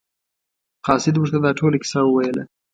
قاصد ورته دا ټوله کیسه وویله.